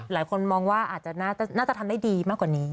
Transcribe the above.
หลายคนมองว่าอาจจะทำได้ดีมากกว่านี้